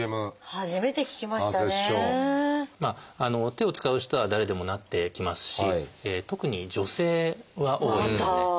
手を使う人は誰でもなってきますし特に女性は多いですね。